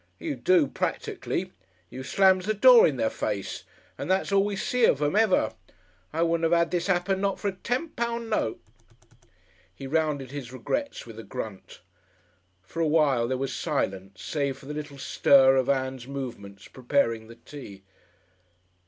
"You do practically. You slams the door in their face, and that's all we see of 'em ever. I wouldn't 'ave 'ad this 'appen not for a ten pound note." He rounded his regrets with a grunt. For a while there was silence, save for the little stir of Ann's movements preparing the tea.